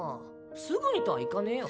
すぐにとはいかねぇよ。